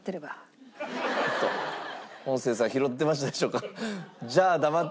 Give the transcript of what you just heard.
音声さん拾ってましたでしょうか？